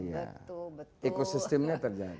betul betul eko sistemnya terjadi